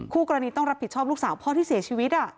กรณีต้องรับผิดชอบลูกสาวพ่อที่เสียชีวิต